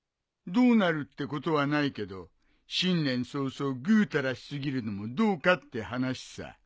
どうなるってことはないけど新年早々ぐうたらし過ぎるのもどうかって話さ。